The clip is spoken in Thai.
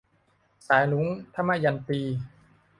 สายรุ้ง - ทมยันตี